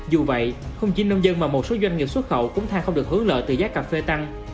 dù vậy không chỉ nông dân mà một số doanh nghiệp xuất khẩu cũng thang không được hướng lợi từ giá cà phê tăng